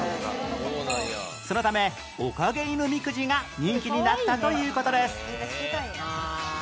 そのためおかげ犬みくじが人気になったという事です